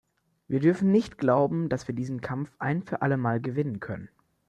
Wir dürfen nicht glauben, dass wir diesen Kampf ein für alle Mal gewinnen können.